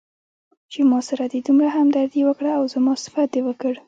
چې ماسره دې دومره همدردي وکړه او زما صفت دې وکړ.